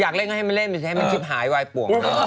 อยากเล่นก็ให้มันเล่นซิให้มันชิบหายวายหัว